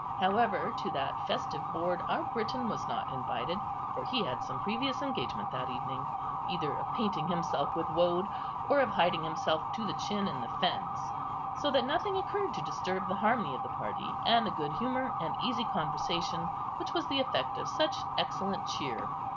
However, to that festive board our Briton was not invited, for he had some previous engagement that evening, either of painting himself with woad, or of hiding himself to the chin in the fens; so that nothing occurred to disturb the harmony of the party, and the good humour and easy conversation which was the effect of such excellent cheer.